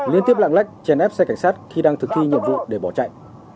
liên tiếp lạng lách chèn ép xe cảnh sát khi đang thực thi nhiệm vụ để bỏ chạy